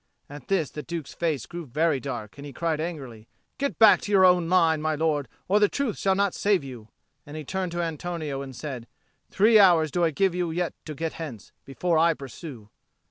At this the Duke's face grew very dark; and he cried angrily, "Get back to your own line, my lord, or the truce shall not save you." And he turned to Antonio and said, "Three hours do I give you to get hence, before I pursue."